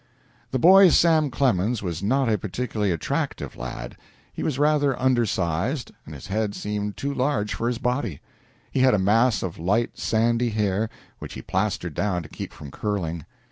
The boy Sam Clemens was not a particularly attractive lad. He was rather undersized, and his head seemed too large for his body. He had a mass of light sandy hair, which he plastered down to keep from curling.